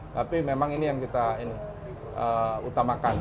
tapi memang ini yang kita utamakan